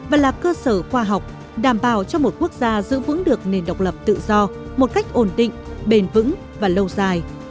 và là cơ sở khoa học đảm bảo cho một quốc gia giữ vững được nền độc lập tự do một cách ổn định bền vững và lâu dài